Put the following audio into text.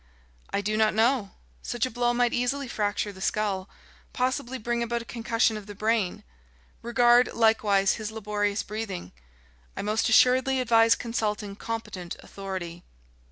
"I do not know. Such a blow might easily fracture the skull, possibly bring about a concussion of the brain. Regard, likewise, his laborious breathing. I most assuredly advise consulting competent authority."